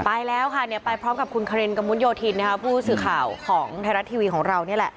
ไปแล้วค่ะไปพร้อมกับคุณคารินกระมุดโยธินผู้สื่อข่าวของไทยรัฐทีวีของเรานี่แหละ